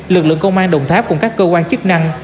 lực lượng công an đồng tháp cùng các cơ quan chức năng